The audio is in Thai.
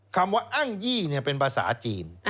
คำว่าอ้างยี่เป็นภาษาจีน